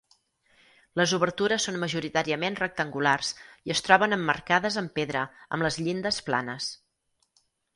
Les obertures són majoritàriament rectangulars i es troben emmarcades en pedra, amb les llindes planes.